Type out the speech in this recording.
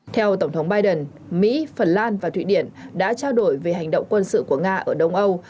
theo tổng thống biden mỹ phần lan và thụy điển đã trao đổi về hành động quân sự của nga ở đông âu